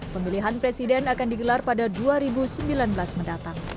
pemilihan presiden akan digelar pada dua ribu sembilan belas mendatang